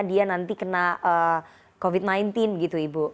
dia nanti kena covid sembilan belas gitu ibu